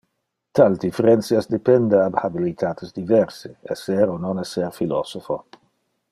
Tal differentias depende ab habilitates diverse: esser o non esser philosopho.